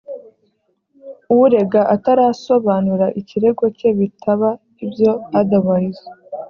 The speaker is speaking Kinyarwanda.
urega atarasobanura ikirego cye bitaba ibyo otherwise